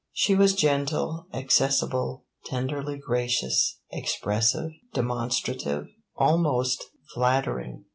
She was gentle, accessible, tenderly gracious, expressive, demonstrative, almost flattering.